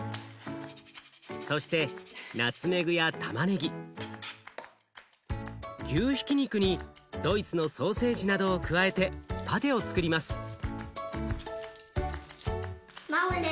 そしてナツメグやたまねぎ牛ひき肉にドイツのソーセージなどを加えてパテをつくります。